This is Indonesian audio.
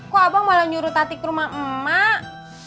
kok abang malah nyuruh tati ke rumah emak